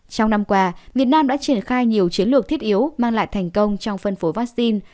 trong năm qua việt nam đã triển khai nhiều chiến lược thiết yếu mang lại thành công trong phân phối vaccine